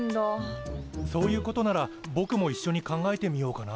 そういうことならぼくもいっしょに考えてみようかな。